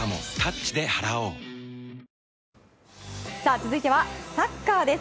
続いてはサッカーです。